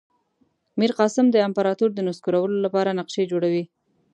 میرقاسم د امپراطور د نسکورولو لپاره نقشې جوړوي.